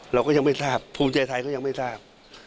เราก็ยังไม่ทราบภูมิใจไทยก็ยังไม่ทราบ